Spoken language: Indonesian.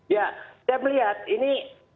ya saya melihat ini